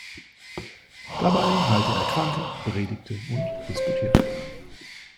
Dabei heilte er Kranke, predigte und disputierte.